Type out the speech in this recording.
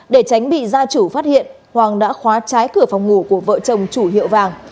để tránh bị gia chủ phát hiện hoàng đã khóa trái cửa phòng ngủ của vợ chồng chủ hiệu vàng